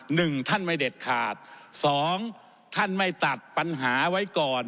หนึ่งท่านไม่เด็ดขาดสองท่านไม่ตัดปัญหาไว้ก่อน